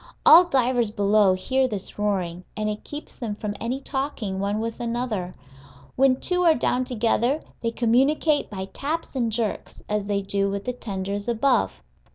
All divers below hear this roaring, and it keeps them from any talking one with another: when two are down together, they communicate by taps and jerks, as they do with the tenders above.